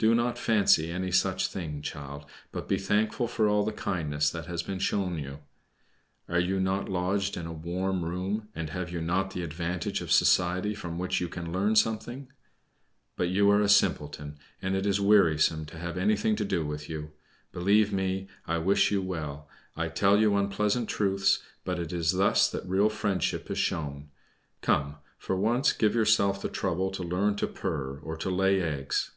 Do not fancy any such thing, child; but be thankful for all the kindness that has been shown you. Are you not lodged in a warm room, and have you not the advantage of society from which you can learn something? But you are a simpleton, and it is wearisome to have anything to do with you. Believe me, I wish you well. I tell you unpleasant truths, but it is thus that real friendship is shown. Come, for once give yourself the trouble to learn to purr, or to lay eggs."